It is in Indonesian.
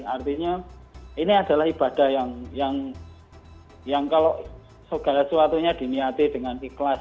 artinya ini adalah ibadah yang kalau segala sesuatunya diniati dengan ikhlas